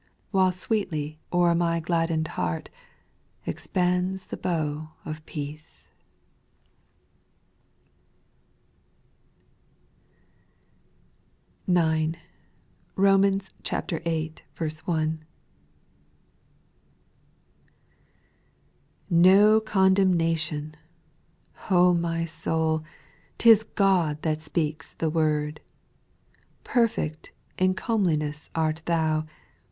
While sweetly o'er my gladden'd heart Expands the bow of peace. 9. Jiomans viii. 1. 1. \rO condemnation I O my soul, JLi ' Tis God that speaks the word ; Perfect in comeliness art thou.